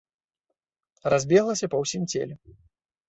Разбеглася па ўсім целе.